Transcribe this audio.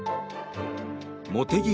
茂木